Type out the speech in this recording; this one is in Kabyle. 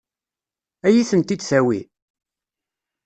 Ad iyi-tent-id-tawi?